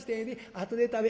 あとで食べ』。